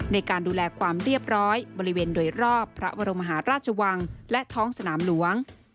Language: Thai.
ในการดูแลความเรียบร้อยบริเวณโดยรอบพระบรมหาราชวังและท้องสนามหลวง